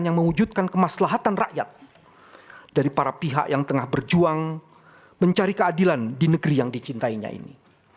yang mewujudkan kemaslahatan rakyat dari para pihak yang tengah berjuang mencari keadilan di negeri yang dicintainya ini